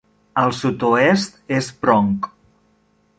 Al sud-oest és Bronk.